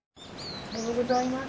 おはようございます。